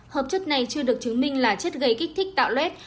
hợp chất này chưa được chứng minh là chất gây kích thích tạo lét